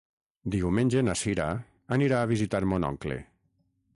Diumenge na Cira anirà a visitar mon oncle.